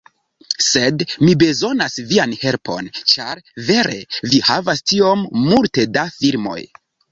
Sed, mi bezonas vian helpon, ĉar vere mi havas tiom multe da filmoj.